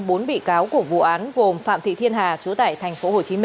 bốn bị cáo của vụ án gồm phạm thị thiên hà chú tại tp hcm